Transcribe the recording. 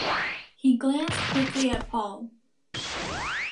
He glanced quickly at Paul.